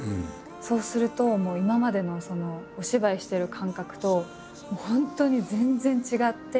そうするともう今までのお芝居してる感覚と本当に全然違って。